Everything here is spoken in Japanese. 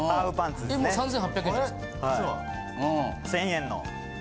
１０００円の。